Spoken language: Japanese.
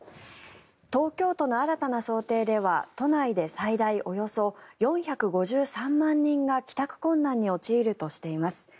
東京都の新たな想定では都内で最大およそ４５３万人が帰宅困難に陥るとしています。